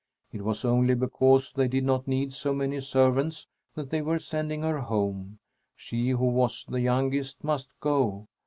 It was only because they did not need so many servants that they were sending her home. She, who was the youngest, must go.